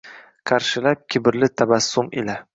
Qarshilab kibrli tabassum ila.